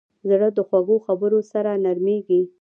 زړه د خوږو خبرو سره نرمېږي.